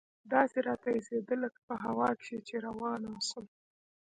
داسې راته اېسېده لکه په هوا کښې چې روان اوسم.